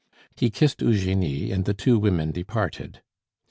He kissed Eugenie, and the two women departed.